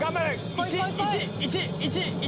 １１１１。